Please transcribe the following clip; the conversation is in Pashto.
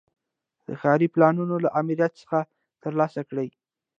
د ښاري پلانونو له آمریت څخه ترلاسه کړي.